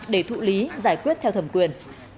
để thụ lý giải quyết theo thẩm quyền